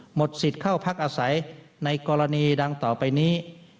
หมดสิทธิ์เข้าพักอาศัยในกรณีดังต่อไปนี้